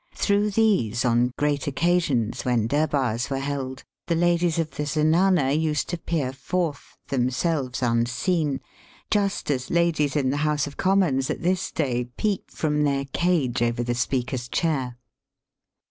Through these on great occasions when Dur bars were held the ladies of the Zenana used to peer forth, themselves unseen, just as ladies in the House of Commons at this day peep from their cage over the Speaker's chair.